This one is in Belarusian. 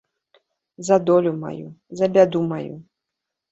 За долю маю, за бяду маю.